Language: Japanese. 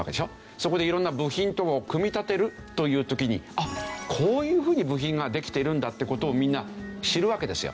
そこで色んな部品とかを組み立てるという時にあっこういうふうに部品ができてるんだって事をみんな知るわけですよ。